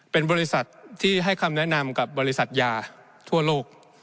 เป็นบริษัทที่ให้คำแนะนำกับบริษัทยาทั่วโลก